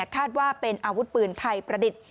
คาดว่าเป็นอาวุธปืนไทยประดิษฐ์